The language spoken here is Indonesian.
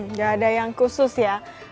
nggak ada yang khusus ya